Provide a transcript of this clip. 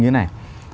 như thế này